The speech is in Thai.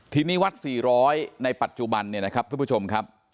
ทีนี้วัด๔๐๐ในปัจจุบันเนี่ยนะครับทุกผู้ชมครับ